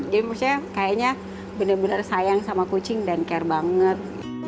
jadi maksudnya kayaknya bener bener sayang sama kucing dan care banget